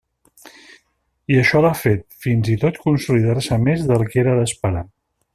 I això l'ha fet, fins i tot consolidar-se més del que era d'esperar.